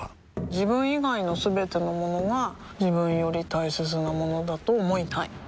自分以外のすべてのものが自分より大切なものだと思いたい